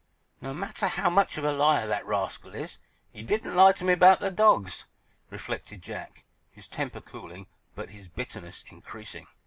"No matter how much of a liar that rascal is, he didn't lie to me about the dogs," reflected Jack, his temper cooling, but his bitterness increasing.